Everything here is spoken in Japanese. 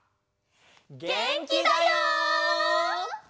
げんきだよ！